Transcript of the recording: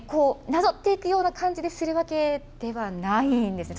なぞっていくような感じでするわけではないんですね。